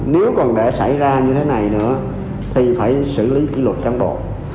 nếu còn để xảy ra như thế này nữa thì phải xử lý kỷ luật cán bộ